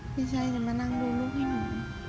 พี่ชัยจะมานั่งดูลูกให้หนู